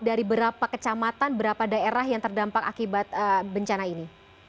dari berapa kecamatan berapa daerah yang terdampak akibat bencana ini